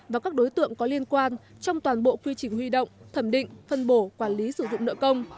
và các đối tượng có liên quan trong toàn bộ quy trình huy động thẩm định phân bổ quản lý sử dụng nợ công